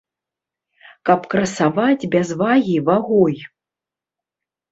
Каб красаваць без вагі вагой.